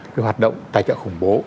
cái hoạt động tài trợ khủng bố